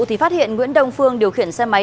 thì phát hiện nguyễn đông phương điều khiển xe máy